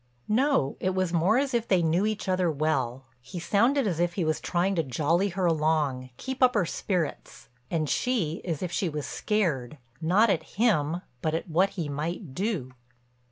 "No, it was more as if they knew each other well. He sounded as if he was trying to jolly her along, keep up her spirits; and she as if she was scared, not at him but at what he might do."